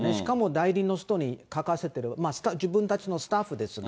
代理の人に書かせてる、自分たちのスタッフですが。